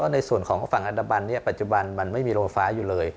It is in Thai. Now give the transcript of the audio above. ในส่วนของฝั่งอันดาบันปัจจุบันมันไม่มีโรฟ้าอยู่เลย